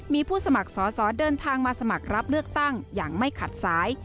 มีผู้สมัครสอสอเดินทางมาสมัครรับเลือกตั้งอย่างไม่ขัดซ้าย